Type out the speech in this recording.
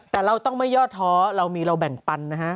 แต่เราต้องไม่ย่อท้อเรามีเราแบ่งปันนะฮะ